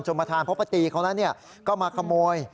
จมภาษาประตีเขานั้นก็มาขโมย